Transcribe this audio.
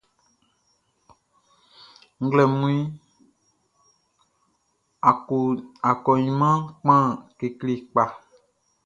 Nglɛmunʼn, akɔɲinmanʼn kpan kekle kpa.